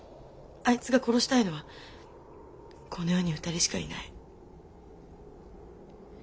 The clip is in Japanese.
あいつが殺したいのはこの世に２人しかいない」。